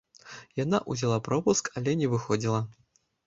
Яна ўзяла пропуск, але не выходзіла.